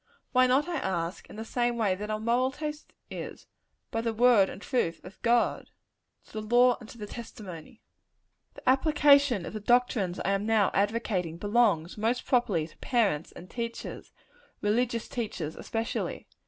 Why not, I ask, in the same way that our moral taste is by the word and truth of God? "To the law and to the testimony." The application of the doctrines I am now advocating, belongs, most properly, to parents and teachers; religious teachers, especially.